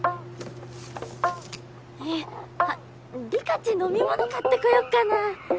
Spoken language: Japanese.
えぇリカチ飲み物買ってこよっかなぁ。